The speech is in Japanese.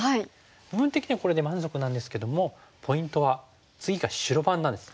部分的にはこれで満足なんですけどもポイントは次が白番なんです。